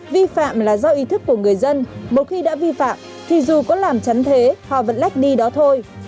vi phạm là do ý thức của người dân một khi đã vi phạm thì dù có làm chắn thế họ vẫn lách đi đó thôi